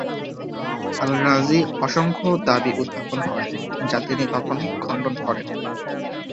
আল-রাজি অসংখ্য দাবি উত্থাপন করেন, যা তিনি তখন খণ্ডন করেন।